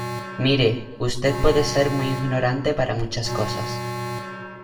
mire, usted puede ser muy ignorante para muchas cosas